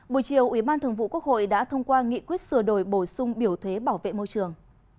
buổi chiều ủy ban thường vụ quốc hội đã thông qua nghị quyết sửa đổi bổ sung biểu thuế bảo vệ môi trường